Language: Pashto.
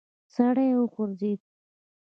سړی وغورځېد.